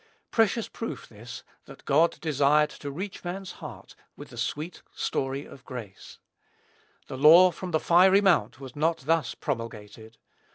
Precious proof this, that God desired to reach man's heart with the sweet story of grace! The law from the fiery mount was not thus promulgated.